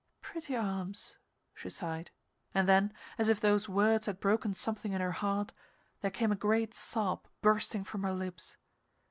"Pretty arms," she sighed, and then, as if those words had broken something in her heart, there came a great sob bursting from her lips.